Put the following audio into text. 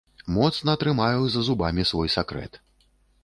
Моцна трымаю за зубамі свой сакрэт.